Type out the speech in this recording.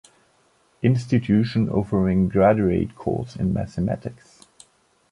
Institution offering graduate course in mathematics